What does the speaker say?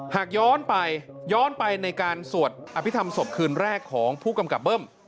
หากย้อนไปย้อนไปในการสวดอภิษฐรรมศพคืนแรกของผู้กำกับเบิ้ม